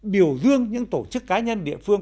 biểu dương những tổ chức cá nhân địa phương